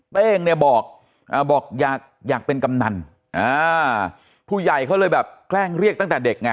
เป้งเนี่ยบอกบอกอยากอยากเป็นกำนันผู้ใหญ่เขาเลยแบบแกล้งเรียกตั้งแต่เด็กไง